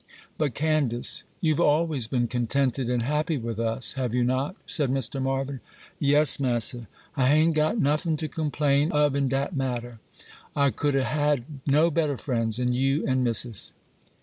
'But, Candace, you've always been contented and happy with us, have you not?' said Mr. Marvyn. 'Yes, Mass'r,—I ha'n't got nuffin to complain of in dat matter. I couldn't hab no better friends 'n you an' Missis.